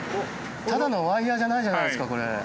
ただのワイヤーじゃないじゃないですかこれ。